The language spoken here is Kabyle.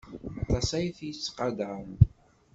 Aṭas ay t-yettqadaren.